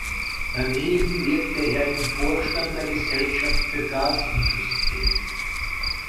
Daneben wirkte er im Vorstand der "Gesellschaft für Gasindustrie".